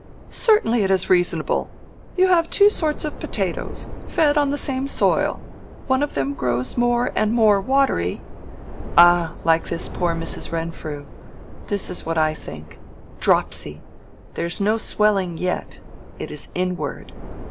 "Certainly it is reasonable. You have two sorts of potatoes, fed on the same soil. One of them grows more and more watery—" "Ah! like this poor Mrs. Renfrew—that is what I think. Dropsy! There is no swelling yet—it is inward.